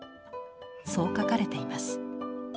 そう書かれています。